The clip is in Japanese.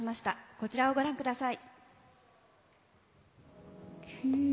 こちらをご覧ください。